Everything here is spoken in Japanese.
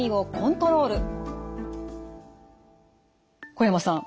小山さん